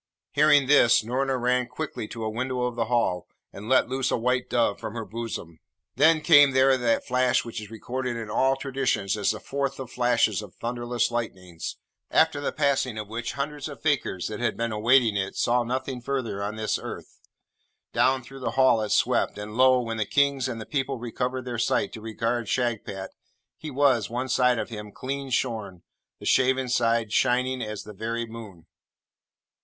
Hearing this, Noorna ran quickly to a window of the Hall, and let loose a white dove from her bosom. Then came there that flash which is recorded in old traditions as the fourth of the flashes of thunderless lightnings, after the passing of which, hundreds of fakirs that had been awaiting it saw nothing further on this earth. Down through the Hall it swept; and lo! when the Kings and the people recovered their sight to regard Shagpat, he was, one side of him, clean shorn, the shaven side shining as the very moon!